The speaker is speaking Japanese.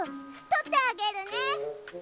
とってあげるね。